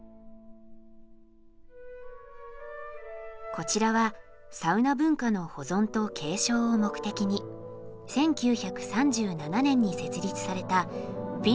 こちらはサウナ文化の保存と継承を目的に１９３７年に設立されたフィンランドサウナ協会。